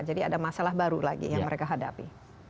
jadi ada masalah baru lagi yang mereka hadapi